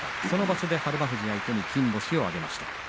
その場所で日馬富士相手に金星を挙げました。